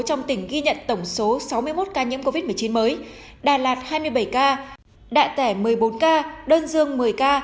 trong tỉnh ghi nhận tổng số sáu mươi một ca nhiễm covid một mươi chín mới đà lạt hai mươi bảy ca đạ tẻ một mươi bốn ca đơn dương một mươi ca